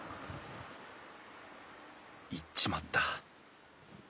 行っちまった。